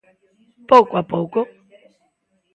Pouco a pouco.